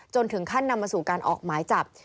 ถึงขั้นนำมาสู่การออกหมายจับ